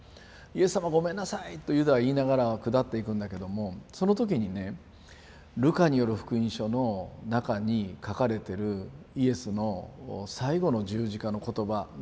イエス様ごめんなさい！とユダは言いながら下っていくんだけどもその時にね「ルカによる福音書」の中に書かれてるイエスの最後の十字架の言葉がユダに届く。